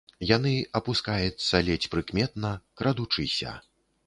Яны апускаецца ледзь прыкметна, крадучыся.